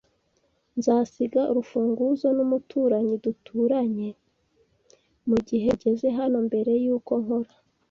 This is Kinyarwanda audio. Nzasiga urufunguzo numuturanyi duturanye mugihe ugeze hano mbere yuko nkora.